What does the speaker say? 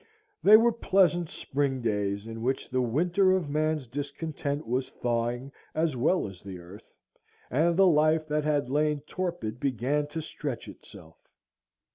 They were pleasant spring days, in which the winter of man's discontent was thawing as well as the earth, and the life that had lain torpid began to stretch itself.